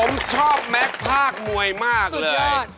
ผมชอบแม็กซ์ภาคมวยมากเลย